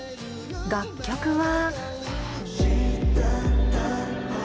楽曲は。